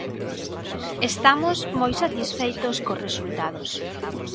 Estamos moi satisfeitos cos resultados.